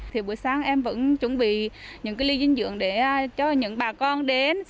thì buổi sáng em vẫn chuẩn bị những cái ly dinh dưỡng để cho những bà con đến